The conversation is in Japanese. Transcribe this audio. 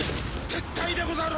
撤退でござる！